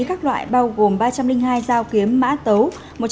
các loại bao gồm ba trăm linh hai dao kiếm mã tấu